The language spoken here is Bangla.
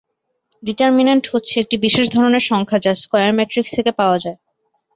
ডিটারমিনেন্ট হচ্ছে একটি বিশেষ ধরনের সংখ্যা যা স্কয়ার ম্যাট্রিক্স থেকে পাওয়া যায়।